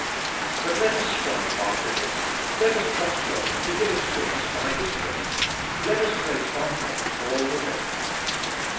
But let us strive after this, let us trust God to give it to us by His grace, let us wait on God all the day.